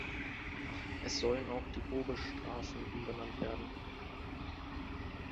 Es sollen auch die Wobisch-Straßen umbenannt werden.